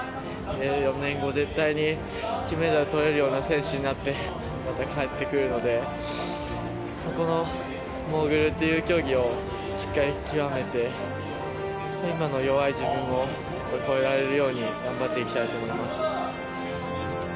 ４年後、絶対に金メダルとれるような選手になって、また帰ってくるので、このモーグルという競技をしっかり極めて、今の弱い自分を超えられるように頑張っていきたいと思います。